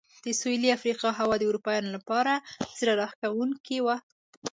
د سوېلي افریقا هوا د اروپایانو لپاره زړه راښکونکې وه.